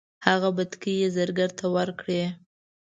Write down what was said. هغه بتکۍ یې زرګر ته ورکړې.